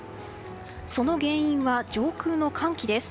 その原因は上空の寒気です。